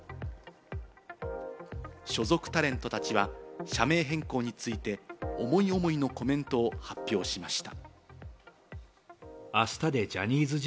所属タレントたちは社名変更について、思い思いのコメントを発表しました。